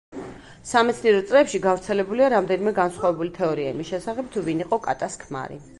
სამეცნიერო წრეებში გავრცელებულია რამდენიმე განსხვავებული თეორია იმის შესახებ თუ ვინ იყო კატას ქმარი.